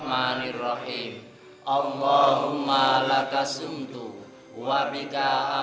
mungkin ditungguin pak ustadz juga di dalam